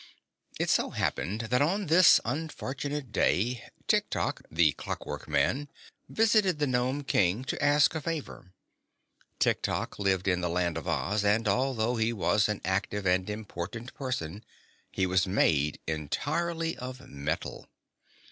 It so happened that on this unfortunate day Tiktok, the Clockwork Man, visited the Nome King to ask a favor. Tiktok lived in the Land of Oz, and although he was an active and important person, he was made entirely of metal.